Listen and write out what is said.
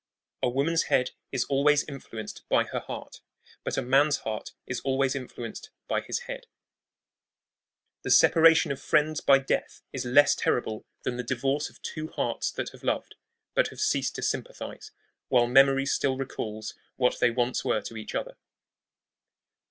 A woman's head is always influenced by her heart; but a man's heart is always influenced by his head. The separation of friends by death is less terrible than the divorce of two hearts that have loved, but have ceased to sympathize, while memory still recalls what they once were to each other.